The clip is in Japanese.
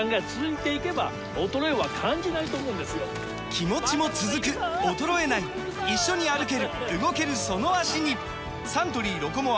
気持ちも続く衰えない一緒に歩ける動けるその脚にサントリー「ロコモア」！